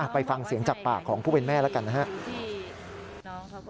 ไปฟังเสียงจากปากของผู้เป็นแม่แล้วกันนะครับ